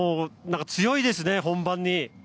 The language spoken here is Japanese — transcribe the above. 強いですね、本番に。